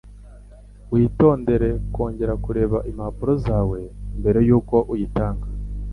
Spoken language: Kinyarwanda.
Witondere kongera kureba impapuro zawe mbere yuko uyitanga